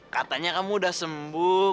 katanya kamu udah sembuh